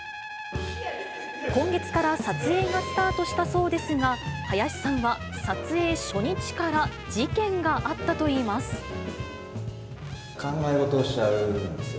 今月から撮影がスタートしたそうですが、林さんは、撮影初日から事件があったといいます。